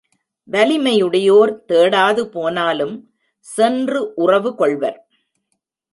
வலிமையுடையார் தேடாது போனாலும் சென்று உறவு கொள்வர்.